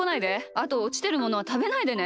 あとおちてるものはたべないでね。